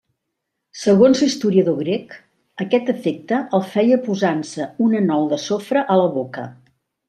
Segons l'historiador grec, aquest efecte el feia posant-se una nou de sofre a la boca.